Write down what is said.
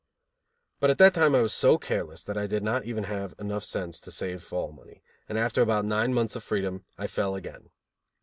But at that time I was so careless that I did not even have enough sense to save fall money, and after about nine months of freedom I fell again.